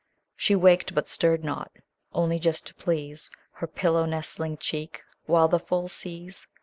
She waked, but stirred not, only just to please Her pillow nestling cheek ; while the full seas.